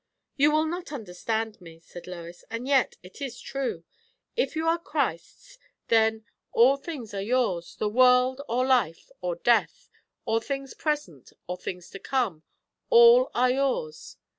"You will not understand me," said Lois; "and yet it is true. If you are Christ's then, 'all things are yours;... the world, or life, or death, or things present, or things to come: all are yours.'